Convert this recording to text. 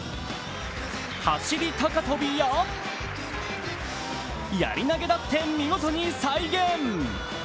走り高跳びや、やり投げだって見事に再現。